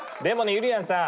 ゆりやんさん！